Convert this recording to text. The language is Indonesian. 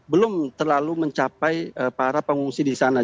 belum terlalu mencapai para pengungsi di sana